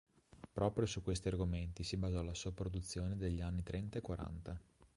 Proprio su questi argomenti si basò la sua produzione degli anni trenta e quaranta.